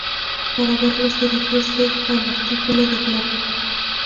Para verlos dirigirse al artículo de globe.